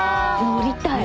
乗りたい。